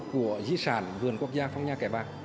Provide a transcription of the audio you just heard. của di sản vườn quốc gia phong nha kẻ bà